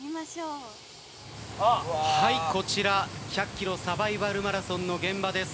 こちら、１００ｋｍサバイバルマラソンの現場です。